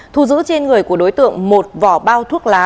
thu giữ trên người của đối tượng một vỏ bao thuốc lá